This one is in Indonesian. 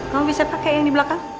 kamu bisa pakai yang di belakang